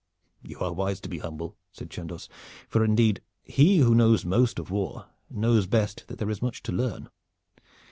"You are wise to be humble," said Chandos; "for indeed he who knows most of war knows best that there is much to learn.